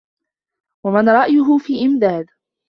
وَمَنْ رَأْيُهُ فِي إمْدَادٍ